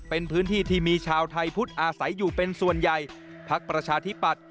เป็นพื้นที่ที่มีชาวไทยพุทธอาศัยอยู่เป็นส่วนใหญ่พักประชาธิปัตย